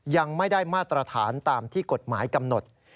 ยังไม่ได้มาตรฐานตามที่กฎหมายกำหนด